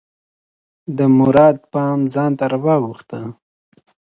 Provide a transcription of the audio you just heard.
د مراد پام ځان ته راواووخته.